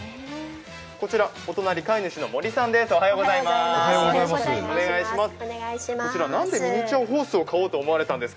こちら、お隣、飼い主の盛さんです。